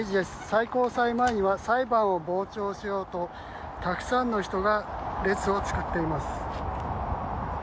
最高裁前には裁判を傍聴しようとたくさんの人が列を作っています。